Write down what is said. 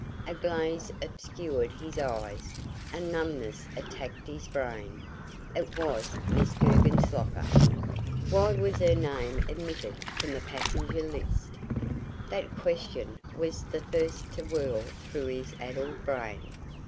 A glaze obscured his eyes, a numbness attacked his brain. It was Miss Guggenslocker! Why was her name omitted from the passenger list? That question was the first to whirl through his addled brain.